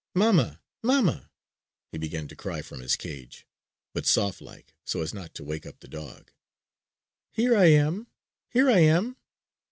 "Mamma! Mamma!" he began to cry from his cage, but soft like, so as not to wake up the dog. "Here I am, here I am.